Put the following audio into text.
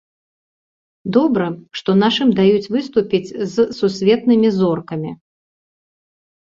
Добра, што нашым даюць выступіць з сусветнымі зоркамі.